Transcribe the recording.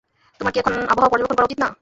তোমার কি এখন আবহাওয়া পর্যবেক্ষণ করা উচিৎ না?